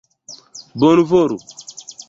Bonvolu!